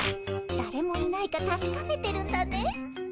だれもいないかたしかめてるんだね。